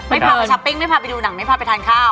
พาไปช้อปปิ้งไม่พาไปดูหนังไม่พาไปทานข้าว